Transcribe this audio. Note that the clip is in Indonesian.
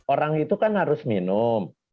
orang itu kan harus minum